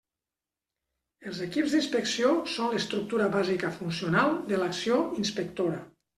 Els equips d'inspecció són l'estructura bàsica funcional de l'acció inspectora.